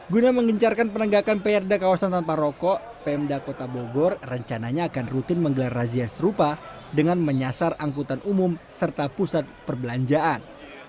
guna mengincarkan penegakan prd kawasan tanpa rokok pemda kota bogor rencananya akan rutin menggelar razia serupa dengan menyasar angkutan umum serta pusat perbelanjaan